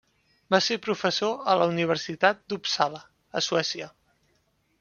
Va ser professor a la Universitat d'Uppsala, a Suècia.